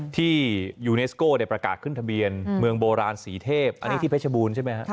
ที่ยูเนสโก้ประกาศขึ้นทะเบียนเมืองโบราณสีเทพอันนี้ที่เพชรบูรณ์ใช่ไหมฮะ